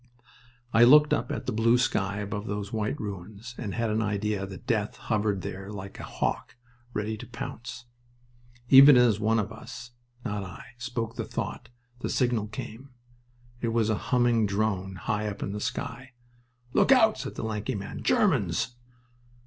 I looked up at the blue sky above those white ruins, and had an idea that death hovered there like a hawk ready to pounce. Even as one of us (not I) spoke the thought, the signal came. It was a humming drone high up in the sky. "Look out!" said the lanky man. "Germans!"